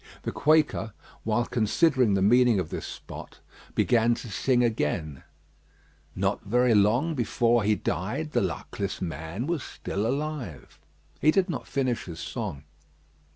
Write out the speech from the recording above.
The Quaker, while considering the meaning of this spot, began to sing again: "Not very long before he died, The luckless man was still alive." He did not finish his song.